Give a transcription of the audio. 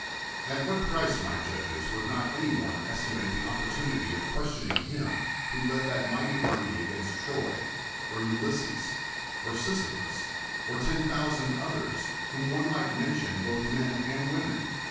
At what j)rice, my judges, would not any one estimate the oppor tunity of (|uestioning him who led that mighty army against Troy, or Ulysses, or Sisyphus, or ten thousand others, whom one might mention, botli men and women?